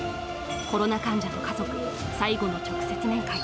コロナ患者と家族、最後の直接面会。